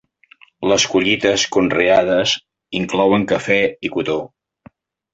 Les collites conreades inclouen cafè i cotó.